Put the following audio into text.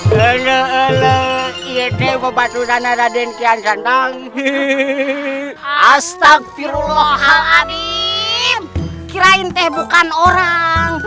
lalu lalu iete bobat udana raden kian santang astaghfirullahaladzim kirain teh bukan orang